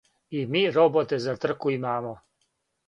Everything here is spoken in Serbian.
И ми роботе за трку имамо!